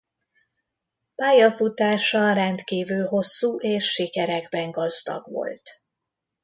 Pályafutása rendkívül hosszú és sikerekben gazdag volt.